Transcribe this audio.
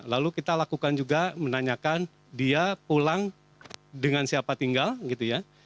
lalu kita lakukan juga menanyakan dia pulang dengan siapa tinggal gitu ya